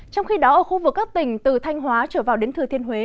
trong khi đó ở khu vực các tỉnh từ thanh hóa trở vào đến thừa thiên huế